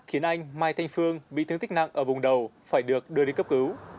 khiến anh mai thanh phương bị thương tích nặng ở vùng đầu phải được đưa đi cấp cứu